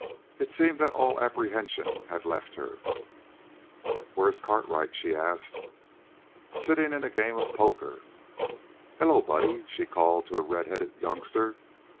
It seemed that all apprehension had left her. "Where's Cartwright?" she asked. "Sitting in a game of poker." "Hello, Buddy!" she called to a redheaded youngster.